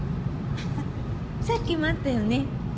さっきも会ったよね。